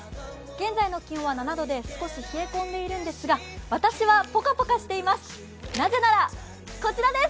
現在の気温は７度で少し冷え込んでいるんですが私はぽかぽかしています。